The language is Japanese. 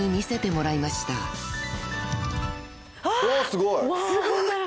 すごい！